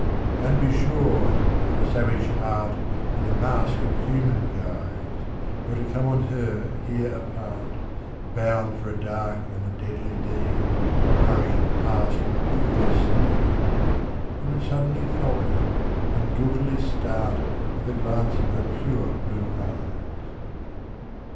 And be sure, if a savage heart, In a mask of human guise, Were to come on her here apart Bound for a dark and a deadly deed, Hurrying past with pitiless speed He would suddenly falter and guiltily start At the glance of her pure blue eyes.